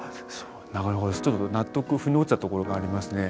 ちょっと納得腑に落ちたところがありますね。